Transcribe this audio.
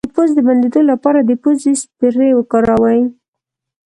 د پوزې د بندیدو لپاره د پوزې سپری وکاروئ